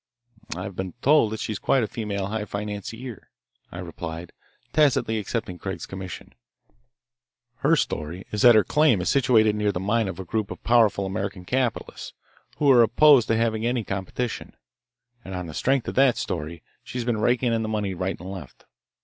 "I have been told that she is quite a female high financier," I replied, tacitly accepting Craig's commission. "Her story is that her claim is situated near the mine of a group of powerful American capitalists, who are opposed to having any competition, and on the strength of that story she has been raking in the money right and left.